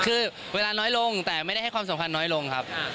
คือเวลาน้อยลงแต่ไม่ได้ให้ความสำคัญน้อยลงครับ